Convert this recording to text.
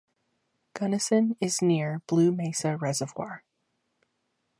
Gunnison is near Blue Mesa Reservoir.